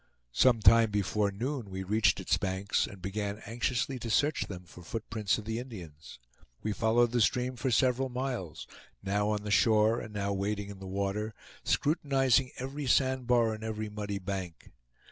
Some time before noon we reached its banks and began anxiously to search them for footprints of the Indians. We followed the stream for several miles, now on the shore and now wading in the water, scrutinizing every sand bar and every muddy bank.